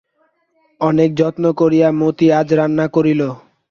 অনেক যত্ন করিয়া মতি আজ রান্না করিল।